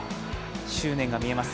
執念が見えます。